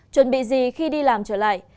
chuẩn bị gì khi đi làm trở lại